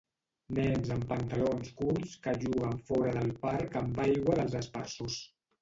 Nens amb pantalons curts que juguen fora del parc amb aigua dels aspersors.